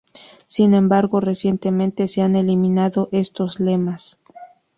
Sin embargo, recientemente se han eliminado estos lemas.